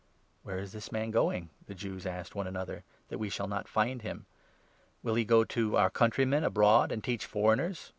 "Where is this man going," the Jews asked one another, 35 " that we shall not find him ? Will he go to our countrymen abroad, and teach foreigners